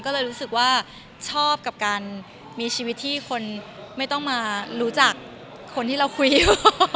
ก็เลยรู้สึกว่าชอบกับการมีชีวิตที่คนไม่ต้องมารู้จักคนที่เราคุยอยู่